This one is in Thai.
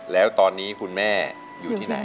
แล้วตอนนี้คุณแม่อยู่ที่ไหน